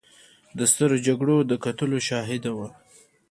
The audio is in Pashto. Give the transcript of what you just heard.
د سترو جګړو د ګټلو شاهده وه.